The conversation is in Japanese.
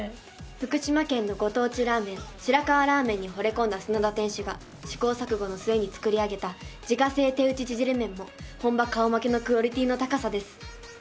福島県のご当地ラーメン白河ラーメンにほれ込んだ砂田店主が試行錯誤の末に作り上げた自家製手打ち縮れ麺も本場顔負けのクオリティーの高さです。